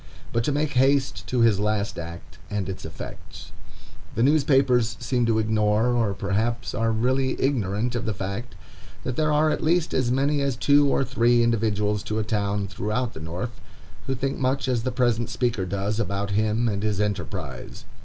But to make haste to his last act, and its effects. The newspapers seem to ignore, or perhaps are really ignorant of the fact, that there are at least as many as two or three individuals to a town throughout the North who think much as the present speaker does about him and his enterprise.